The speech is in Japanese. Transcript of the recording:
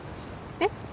えっ？